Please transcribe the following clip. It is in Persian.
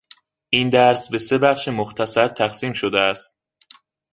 این درس به سه بخش مختصر تقسیم شده است.